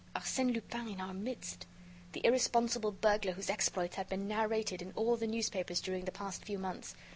Arsène Lupin in our midst! the irresponsible burglar whose exploits had been narrated in all the newspapers during the past few months!